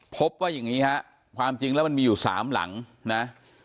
พบว่าอย่างนี้ฮะความจริงแล้วมันมีอยู่๓หลังนะ